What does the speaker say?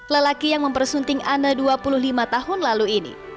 lelaki yang mempersunting ana dua puluh lima tahun lalu ini